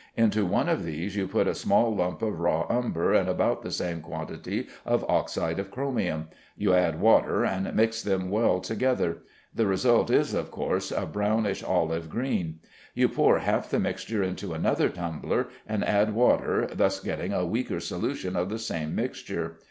Into one of these you put a small lump of raw umber and about the same quantity of oxide of chromium. You add water, and mix them well together. The result is of course a brownish olive green. You pour half the mixture into another tumbler, and add water, thus getting a weaker solution of the same mixture.